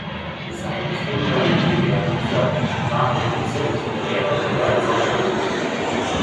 Sein Kriminologie-Lehrbücher waren und sind in der Lehre weit verbreitet.